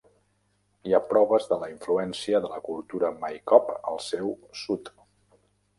Hi ha proves de la influència de la cultura Maykop al seu sud.